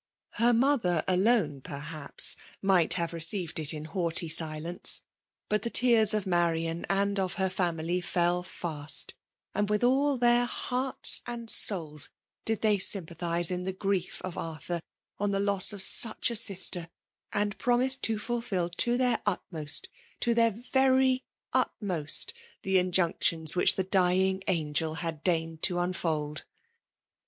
Her mother alone, perhaps, might have re« ceived it in haughty silence ; but the tears of Marian and of her family fell fast ; and with all their hearts and souls did they sympathize in the grief of Arthur on the loss of such a tftster, and promise to fulfil to their utmost, to Aeir very utmost, the injunctions which the dying angel had deigned to unfold.